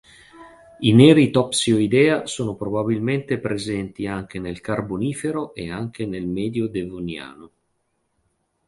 I neritopsioidea sono probabilmente presenti anche nel Carbonifero e anche nel medio Devoniano.